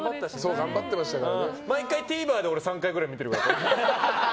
毎回ＴＶｅｒで３回ぐらい見てるから、俺。